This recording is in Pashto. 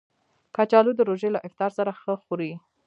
کچالو د روژې له افطار سره ښه خوري